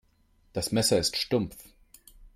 Das Messer ist stumpf.